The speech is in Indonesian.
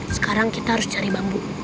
sekarang kita harus cari bambu